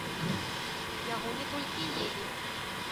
Яго не толькі елі.